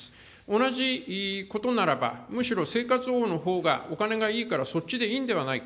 同じことならば、むしろ生活保護のほうがお金がいいから、そっちでいいんではないか。